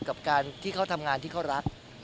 กับการที่เขาทำงานที่เขารัก